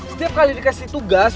setiap kali dikasih tugas